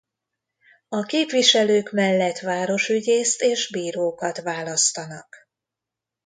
A képviselők mellett városügyészt és bírókat választanak.